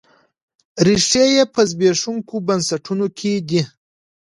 ریښې یې په زبېښونکو بنسټونو کې دي.